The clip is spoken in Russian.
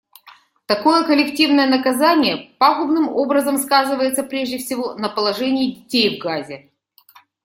Такое коллективное наказание пагубным образом сказывается, прежде всего, на положении детей в Газе.